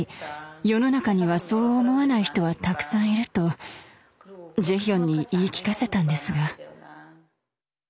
世の中にはそう思わない人はたくさんいるとジェヒョンに言い聞かせたんですが。